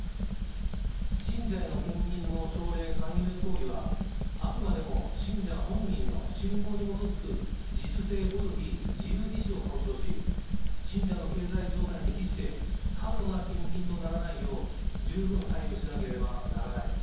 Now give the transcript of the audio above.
信者への献金の奨励、勧誘行為は、あくまでも信者本人の信仰に基づく自主性および自由意思を尊重し、信者の経済状態に比して、過度な献金とならないよう、十分配慮しなければならない。